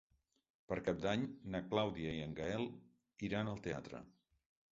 Per Cap d'Any na Clàudia i en Gaël iran al teatre.